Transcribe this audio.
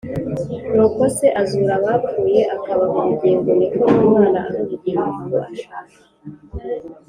….Nkuko Se azura abapfuye akabaha ubugingo, niko n’Umwana aha ubugingo abo ashaka.